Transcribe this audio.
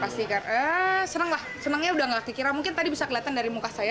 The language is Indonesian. eh senang lah senangnya udah gak kekira mungkin tadi bisa kelihatan dari muka saya